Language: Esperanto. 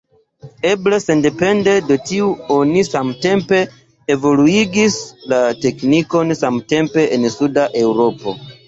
Eble sendepende de tio oni samtempe evoluigis la teknikon samtempe en suda Eŭropo.